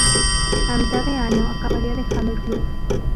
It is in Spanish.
A mitad de año acabaría dejando el club.